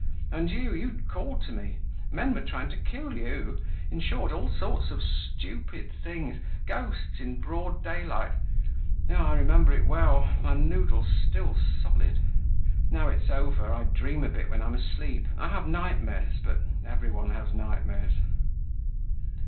And you, you called to me, men were trying to kill you. In short, all sorts of stupid things, ghosts in broad daylight. Oh! I remember it well, my noodle's still solid. Now it's over, I dream a bit when I'm asleep. I have nightmares, but everyone has nightmares."